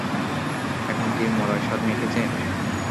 এখন কি মরার স্বাদ মিটেছে?